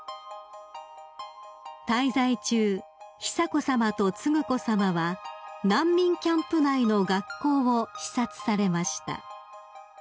［滞在中久子さまと承子さまは難民キャンプ内の学校を視察されました］